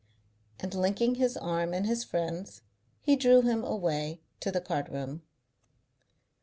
And, linking his arm in his friend's, he drew him away to the card room.